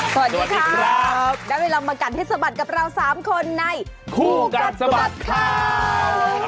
สวัสดีครับได้เวลามากัดให้สะบัดกับเรา๓คนในคู่กัดสะบัดข่าว